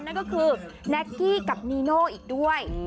นั่นก็คือแน็กกี้กับนีโน่อีกด้วย